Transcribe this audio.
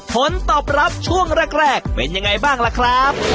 ผลตอบรับช่วงแรกเป็นยังไงบ้างล่ะครับ